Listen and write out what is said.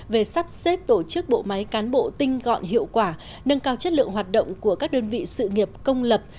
về sắp xếp tổ chức bộ máy cán bộ tinh gọn hiệu quả nâng cao chất lượng hoạt động của các đơn vị sự nghiệp công lập